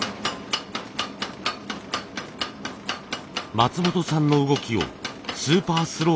松本さんの動きをスーパー